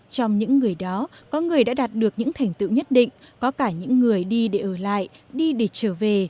trong những người đó có người đã đạt được những thành tựu nhất định có cả những người đi để ở lại đi để trở về